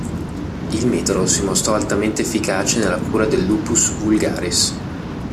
Il metodo si dimostrò altamente efficace nella cura del lupus vulgaris.